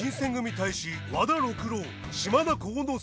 隊士和田六郎島田幸之介。